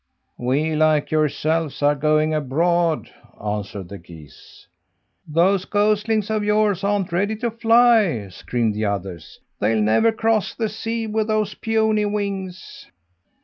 "We, like yourselves, are going abroad," answered the geese. "Those goslings of yours aren't ready to fly," screamed the others. "They'll never cross the sea with those puny wings!"